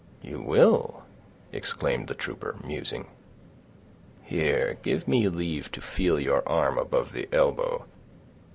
"You will!" exclaimed the trooper, musing. "Here, give me leave to feel your arm above the elbow.